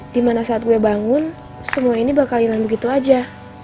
dimana saat gue bangun semua ini bakalan begitu aja